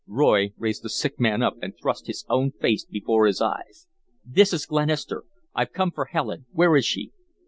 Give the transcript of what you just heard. Roy raised the sick man up and thrust his own face before his eyes. "This is Glenister. I've come for Helen where is she?"